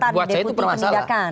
buat saya itu permasalah